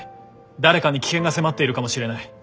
誰かに危険が迫っているかもしれない。